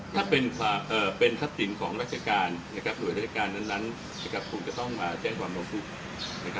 ถ้าเป็นทัพสิงฟร์ของรัคการโดยรัชการว่างั้นผมจะต้องแด้ความลงทุกข์